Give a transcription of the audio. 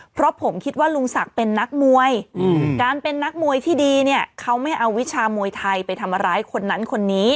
เพราะผมคิดว่าลุงศักดิ์เป็นนักมวยการเป็นนักมวยที่ดีเนี่ยเขาไม่เอาวิชามวยไทยไปทำร้ายคนนั้นคนนี้